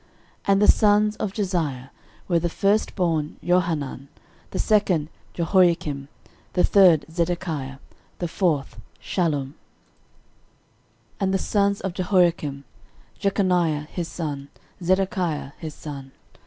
13:003:015 And the sons of Josiah were, the firstborn Johanan, the second Jehoiakim, the third Zedekiah, the fourth Shallum. 13:003:016 And the sons of Jehoiakim: Jeconiah his son, Zedekiah his son.